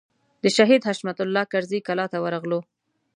د شهید حشمت الله کرزي کلا ته ورغلو.